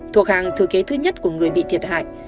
thuộc hàng thừa kế thứ nhất của người bị thiệt hại